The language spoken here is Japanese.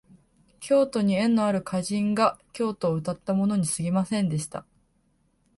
京都に縁のある歌人が京都をうたったものにすぎませんでした